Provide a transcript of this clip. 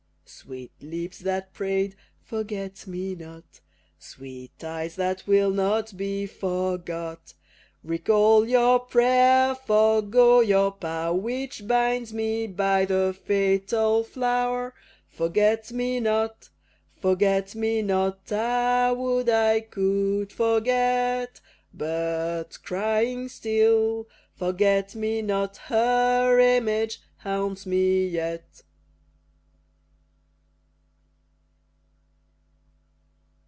Sweet lips that pray'd "Forget me not!" Sweet eyes that will not be forgot! Recall your prayer, forego your power, Which binds me by the fatal flower. Forget me not! Forget me not! Ah! would I could forget! But, crying still, "Forget me not," Her image haunts me yet.